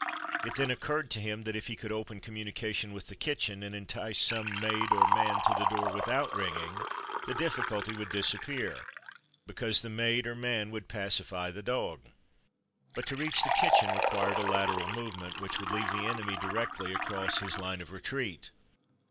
It then occurred to him that if he could open communication with the kitchen, and entice some maid or man to the door without ringing, the difficulty would disappear, because the maid or man would pacify the dog. But to reach the kitchen required a lateral movement which would leave the enemy directly across his line of retreat.